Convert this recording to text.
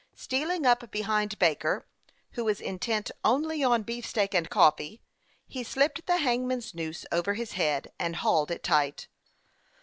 Stealing up behind Baker, who was intent only on beefsteak and coffee, he slipped the hangman's noose over his head, and hauled it tight.